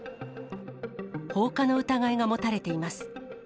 放火の疑いが持たれています。